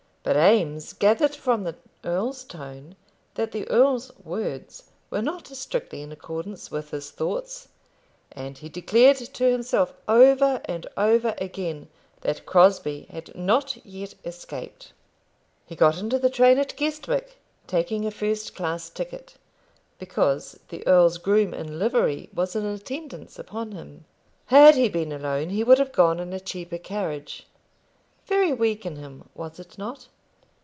But Eames gathered from the earl's tone that the earl's words were not strictly in accordance with his thoughts, and he declared to himself over and over again that Crosbie had not yet escaped. He got into the train at Guestwick, taking a first class ticket, because the earl's groom in livery was in attendance upon him. Had he been alone he would have gone in a cheaper carriage. Very weak in him, was it not?